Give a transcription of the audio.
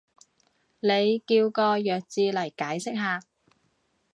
你叫個弱智嚟解釋下